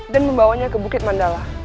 dan membawanya ke bukit mandala